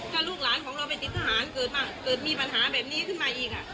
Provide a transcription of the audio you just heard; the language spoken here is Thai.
ถ้าลูกหลานของเราเป็นติดทหารเกิดมีปัญหาแบบนี้ขึ้นมาอีกอ่ะ